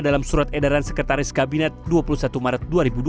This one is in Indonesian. dalam surat edaran sekretaris kabinet dua puluh satu maret dua ribu dua puluh